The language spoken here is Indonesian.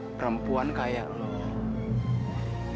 perempuan kayak lo